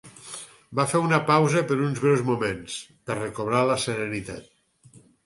Va fer una pausa per uns breus moments per recobrar la serenitat.